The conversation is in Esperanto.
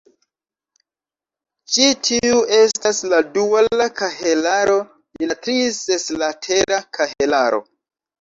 Ĉi tiu estas la duala kahelaro de la tri-seslatera kahelaro.